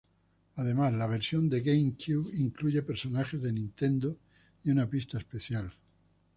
Además, la versión de GameCube incluye personajes de Nintendo y una pista especial.